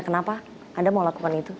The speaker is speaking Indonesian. kenapa anda mau lakukan itu